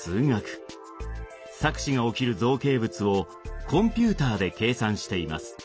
錯視が起きる造形物をコンピューターで計算しています。